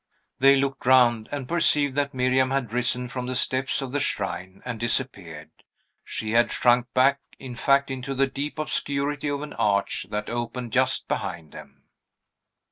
They looked round, and perceived that Miriam had risen from the steps of the shrine and disappeared. She had shrunk back, in fact, into the deep obscurity of an arch that opened just behind them.